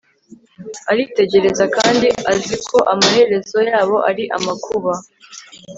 aritegereza, kandi azi ko amaherezo yabo ari amakuba